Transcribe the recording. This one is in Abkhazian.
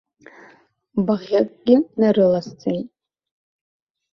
Баӷьыкгьы нарыласҵеит.